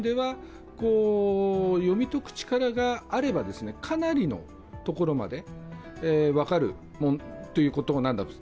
読み解く力があればかなりのところまで分かるということなんだと。